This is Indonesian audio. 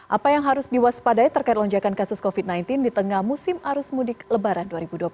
apa yang harus diwaspadai terkait lonjakan kasus covid sembilan belas di tengah musim arus mudik lebaran dua ribu dua puluh satu